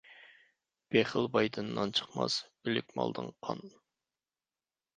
بېخىل بايدىن نان چىقماس، ئۆلۈك مالدىن قان.